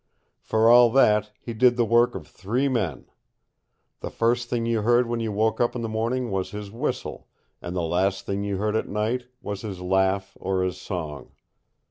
For all that, he did the work of three men. The first thing you heard when you woke up in the morning was his whistle, and the last thing you heard at night was his laugh or his song.